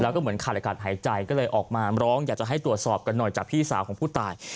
แล้วก็เหมือนขาดอากาศหายใจก็เลยออกมาร้องอยากจะให้ตรวจสอบกันหน่อยจากพี่สาวของผู้ตาย